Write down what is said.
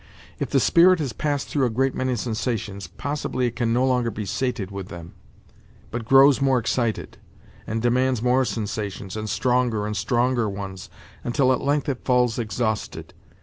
If the spirit has passed through a great many sensations, possibly it can no longer be sated with them, but grows more excited, and demands more sensations, and stronger and stronger ones, until at length it falls exhausted.